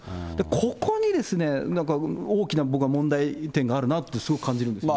ここにですね、なんか大きな、僕は問題点があるなって、すごく感じるんですね。